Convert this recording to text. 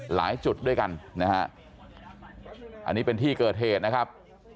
หลายจุดด้วยกันนะฮะอันนี้เป็นที่เกิดเหตุนะครับ